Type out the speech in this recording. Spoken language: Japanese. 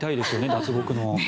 脱獄の。